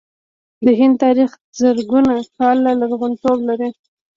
د هند تاریخ زرګونه کاله لرغونتوب لري.